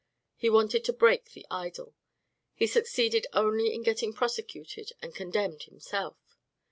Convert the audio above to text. He wanted to break the idol; he succeeded only in getting prosecuted and condemned himself.